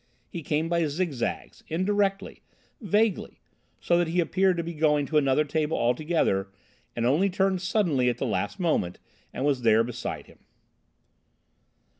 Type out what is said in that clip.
He came by zigzags, indirectly, vaguely, so that he appeared to be going to another table altogether, and only turned suddenly at the last moment, and was there beside him.